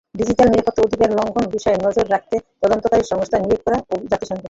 Digital নিরাপত্তা অধিকার লঙ্ঘন বিষয়ে নজর রাখতে তদন্তকারী সংস্থা নিয়োগ করে জাতিসংঘ।